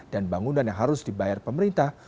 dan bangunan yang harus dibayar pemerintah